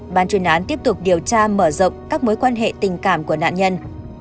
ban chuyên án tiếp tục điều tra mở rộng các mối quan hệ tình cảm của nạn nhân